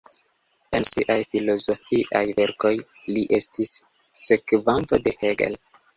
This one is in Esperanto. En siaj filozofiaj verkoj li estis sekvanto de Hegel.